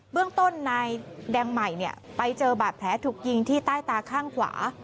เรื่องต้นนายแดงใหม่ไปเจอบาดแผลถูกยิงที่ใต้ตาข้างขวา